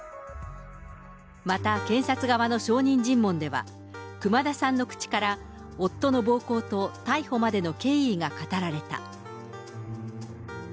また検察側の証人尋問では、熊田さんの口から夫の暴行と逮捕までの経緯が語られた。